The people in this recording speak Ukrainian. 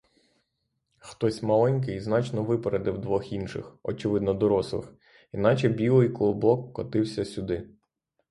Хтось маленький значно випередив двох інших, очевидно, дорослих і, наче білий клубок, котився сюди.